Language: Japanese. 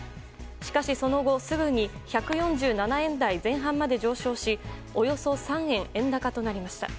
しかし、その後すぐに１４７円台前半まで上昇しおよそ３円円高となりました。